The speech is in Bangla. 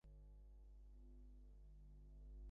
উদার অথচ নির্মোহ বদ্যান্যতায়, সংগীত আর বিজ্ঞানের ভেতর দিয়ে।